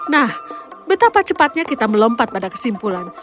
nah betapa cepatnya kita melompat pada kesimpulan